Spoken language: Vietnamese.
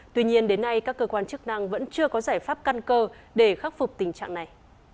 tuy nhiên đến nay các cơ quan chức năng vẫn chưa có giải pháp căn cơ để khắc phục tình trạng này